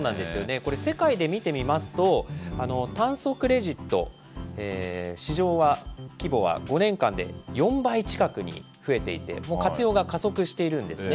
これ、世界で見てみますと、炭素クレジット、市場は、規模は５年間で４倍近くに増えていて、活用が加速しているんですね。